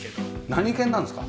何犬なんですか？